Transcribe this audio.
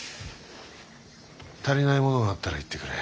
足りないものがあったら言ってくれ。